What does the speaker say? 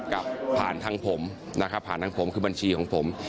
กับผ่านทางผมนะครับผ่านทางผมคือบัญชีของผม